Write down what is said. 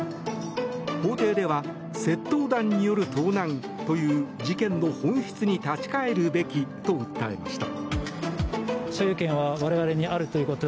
法廷では窃盗団による盗難という事件の本質に立ち返るべきと訴えました。